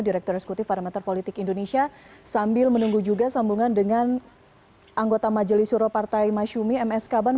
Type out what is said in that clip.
direktur eksekutif parameter politik indonesia sambil menunggu juga sambungan dengan anggota majelis suro partai masyumi ms kaban